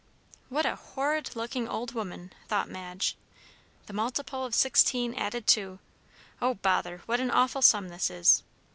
"What a horrid looking old woman!" thought Madge. "The multiple of sixteen added to Oh, bother! what an awful sum this is!"